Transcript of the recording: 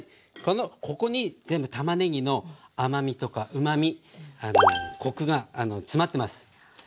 ここに全部たまねぎの甘みとかうまみコクが詰まってます。